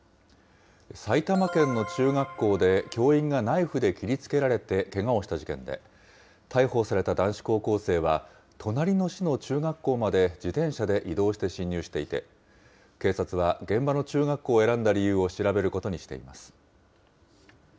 埼玉県の中学校で教員がナイフで切りつけられてけがをした事件で、逮捕された男子高校生は、隣の市の中学校まで自転車で移動して侵入していて、警察は現場の中学校を選んだ理由を調べることにしています。